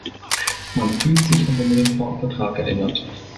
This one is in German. Man fühlt sich an den Reformvertrag erinnert.